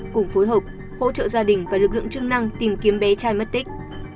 cùng phối hợp hỗ trợ gia đình và lực lượng chức năng tìm kiếm bé trai mất tích